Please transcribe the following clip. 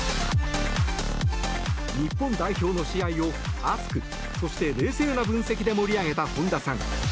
日本代表の試合を熱く、そして冷静な分析で盛り上げた本田さん。